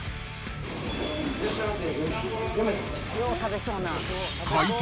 いらっしゃいませ。